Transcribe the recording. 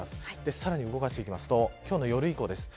さらに動かしていくと今日の夜以降です。